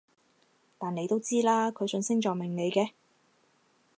但你都知啦，佢信星座命理嘅